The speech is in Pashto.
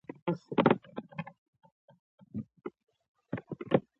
پنځم لوست د ښځو حقونه دي.